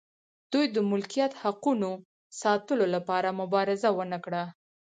دوی د ملکیت حقونو ساتلو لپاره مبارزه ونه کړه.